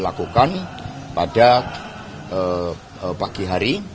ini dilakukan pada pagi hari